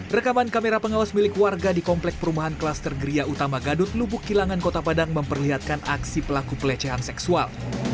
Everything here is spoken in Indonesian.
rekaman kamera pengawas milik warga di komplek perumahan klaster gria utama gadut lubuk kilangan kota padang memperlihatkan aksi pelaku pelecehan seksual